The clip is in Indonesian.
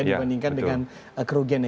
dibandingkan dengan kerugiannya